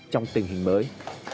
trong tình hình mới